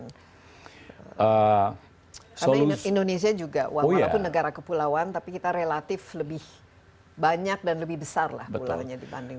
karena indonesia juga walaupun negara kepulauan tapi kita relatif lebih banyak dan lebih besar lah pulauannya